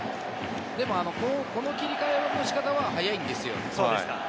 でもこの切り替えの仕方は早いんですよ。